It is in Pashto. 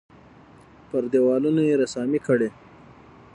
پر دېوالونو یې رسامۍ کړي.